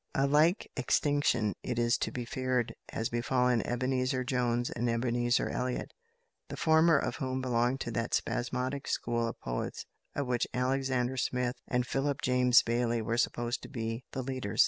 A like extinction, it is to be feared, has befallen Ebenezer Jones and Ebenezer Elliott the former of whom belonged to that spasmodic school of poets of which Alexander Smith and Philip James Bailey were supposed to be the leaders.